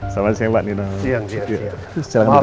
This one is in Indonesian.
jangan berkata chce breeze